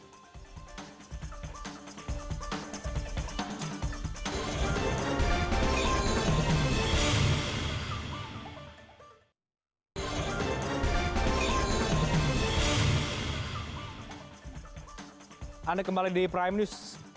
berikutnya bapak jemaah kembali mencoba menghubungkan pak abdullah